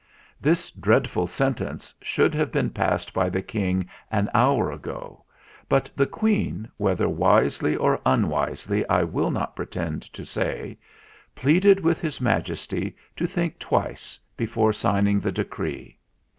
This dreadful sentence should have been passed by the King an hour ago; but the Queen, whether wisely or un wisely I will not pretend to say, pleaded with His Majesty to think twice before signing the decree.